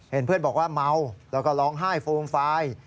เพื่อนบอกว่าเมาแล้วก็ร้องไห้ฟูมฟาย